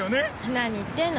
何言ってんの。